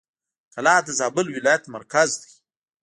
کلات د زابل ولایت مرکز دی.